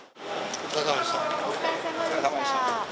お疲れさまでした。